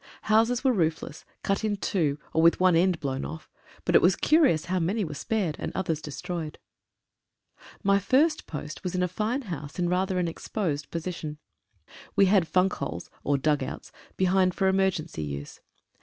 Houses were roofless, cut in two, or with one end blown off, but it was curious how many were spared and others destroyed. My first post was in a fine house in rather an ex posed position. We had funk holes, or dug outs behind for emergency use.